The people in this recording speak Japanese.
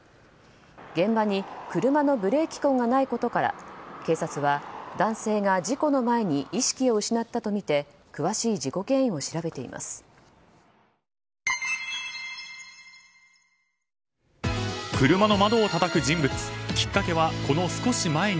現場に車のブレーキ痕がないことから警察は男性が事故の前に意識を失ったとみていよいよ厳しい冬本番。